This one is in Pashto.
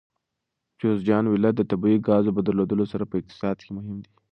جوزجان ولایت د طبیعي ګازو په درلودلو سره په اقتصاد کې مهم دی.